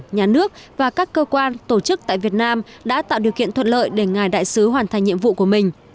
nhà nước và các cơ quan tổ chức tại việt nam đã tạo điều kiện thuận lợi để ngài đại sứ hoàn thành nhiệm vụ của mình